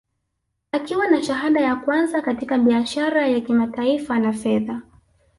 Akiwa na shahada ya kwanza katika biashara ya kimataifa na fedha